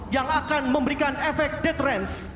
yang akan memberikan efek deterence